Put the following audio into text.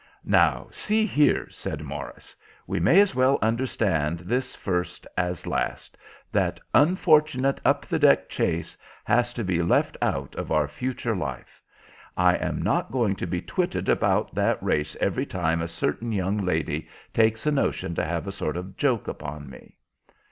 "Now, see here," said Morris, "we may as well understand this first as last, that unfortunate up the deck chase has to be left out of our future life. I am not going to be twitted about that race every time a certain young lady takes a notion to have a sort of joke upon me."